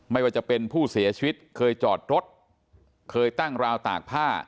ไม่ว่าจะเป็นผู้เสียชีวิตเคยจอดรถเคยตั้งราวตากผ้า